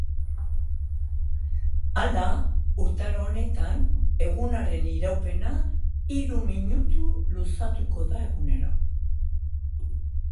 Hala, urtaro honetan, egunaren iraupena hiru minutu luzatuko da egunero.